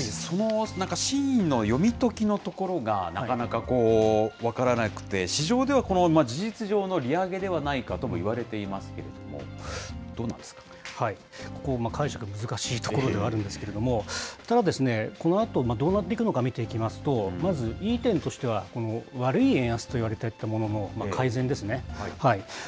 その真意の読み解きのところが、なかなか分からなくて、市場では事実上の利上げではないかともいわれていますけれども、解釈、難しいところではあるんですけれども、ただ、このあとどうなっていくのか見ていきますと、まず、いい点としては、この悪い円安といわれていたものの改善ですね。